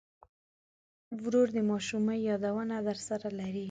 ورور د ماشومۍ یادونه درسره لري.